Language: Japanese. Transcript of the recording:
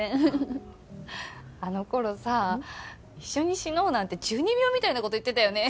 あのころさ一緒に死のうなんて中二病みたいなこと言ってたよね。